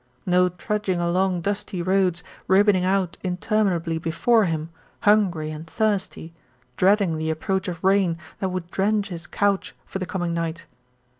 No trudging along dusty roads ribboning out interminably before him, hungry and thirsty, dreading the approach of rain that would drench his couch for the coming night.